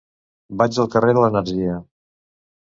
Vaig al carrer de l'Energia.